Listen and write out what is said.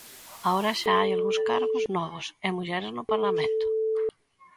Agora xa hai algúns cargos novos e mulleres no parlamento.